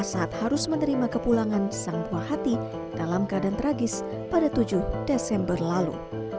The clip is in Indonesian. saat harus menerima kepulangan sang buah hati dalam keadaan tragis pada tujuh desember lalu